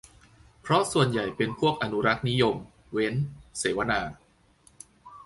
เพราะส่วนใหญ่เป็นพวกอนุรักษ์นิยม เว้น เสวนา